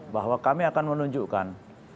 bahwa kami akan menunjukkan